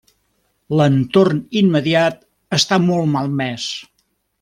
L'entorn immediat està molt malmès.